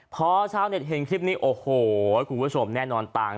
พอชาวเน็ตเห็นคลิปนี้โอ้โหคุณผู้ชมแน่นอนต่าง